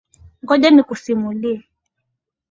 Ngoja nikusimulie.